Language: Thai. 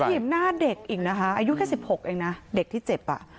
ถีบหน้าเด็กอีกนะคะอายุแค่๑๖เองนะเด็กที่เจ็บอ่ะ